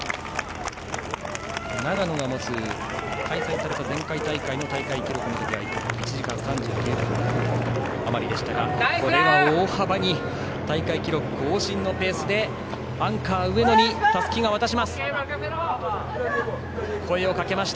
長野が持つ、開催された前回大会の大会記録は１時間３９分あまりでしたが大幅に大会記録更新のペースでアンカー、上野にたすきを渡しました。